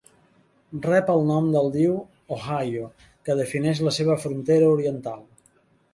Rep del nom del riu Ohio, que defineix la seva frontera oriental.